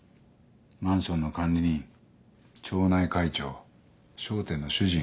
マンションの管理人町内会長商店の主人。